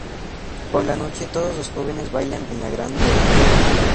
Por la noche todos los jóvenes bailan en la gran verbena.